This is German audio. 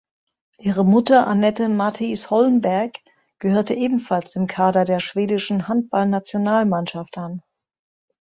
Ihre Mutter Anette Matthijs Holmberg gehörte ebenfalls dem Kader der schwedischen Handballnationalmannschaft an.